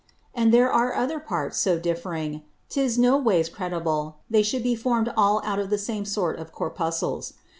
And there are other Parts so differing, that 'tis no ways credible they should be formed all out of the same sort of Corpuscles.